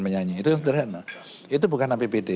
menyanyi itu sederhana itu bukan apbd